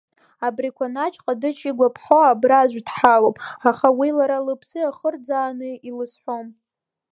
Абри Кәанач ҟадыџь игәаԥхо абра аӡә дҳалоуп, аха уи лара лыԥсы иахырӡааны илызҳәом!